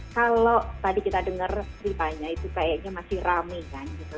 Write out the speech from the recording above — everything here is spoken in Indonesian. kalau tadi kita dengar ceritanya itu kayaknya masih rame kan gitu